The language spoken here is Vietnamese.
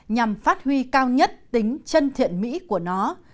nhằm phát huy cao nhất tính chân thiện mỹ của nó